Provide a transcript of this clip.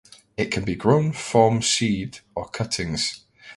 It can be grown form seed or cuttings.